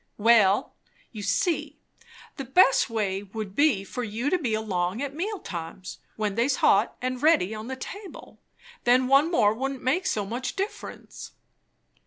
"Well, you see, the best way would be for you to be along at meal times; when they's hot and ready on the table. Then one more wouldn't make so much difference."